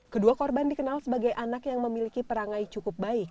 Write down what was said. kedua korban dikenal sebagai anak yang memiliki perangai cukup baik